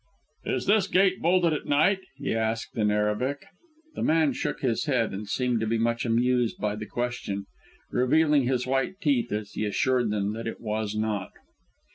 "Is this gate bolted at night?" he asked, in Arabic. The man shook his head, and seemed to be much amused by the question, revealing his white teeth as he assured him that it was not.